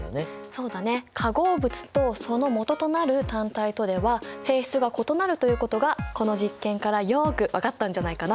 そうだね化合物とそのもととなる単体とでは性質が異なるということがこの実験からよく分かったんじゃないかな？